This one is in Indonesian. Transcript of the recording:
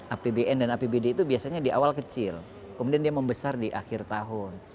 apbn dan apbd itu biasanya di awal kecil kemudian dia membesar di akhir tahun